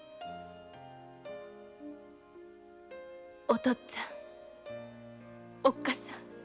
お父っつぁんおっかさん。